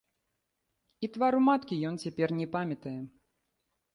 І твару маткі ён цяпер не памятае.